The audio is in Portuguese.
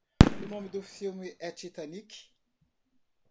O nome do filme é Titanic.